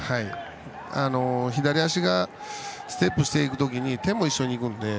左足がステップしていく時に手も一緒に行くので。